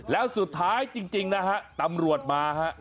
แล้วสุดท้ายจริงนะฮะตำรวจมาฮะ